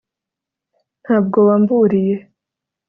ntabwo wamburiye